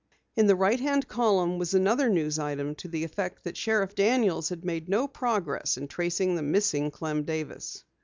In the right hand column was another news item to the effect that Sheriff Daniels had made no progress in tracing the missing Clem Davis.